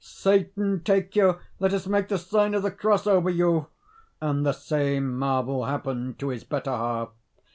"Satan take you, let us make the sign of the cross over you!" And the same marvel happened to his better half.